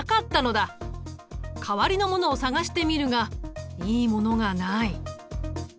代わりのものを探してみるがいいものがない。